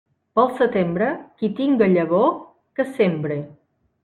Pel setembre, qui tinga llavor, que sembre.